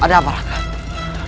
ada apa rakyat